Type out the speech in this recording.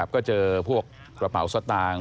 ก็เจอพวกกระเป๋าสตางค์